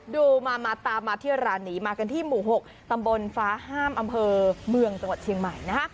ดูมามาตามมาที่ร้านนี้มากันที่หมู่๖ตำบลฟ้าห้ามอำเภอเมืองจังหวัดเชียงใหม่นะฮะ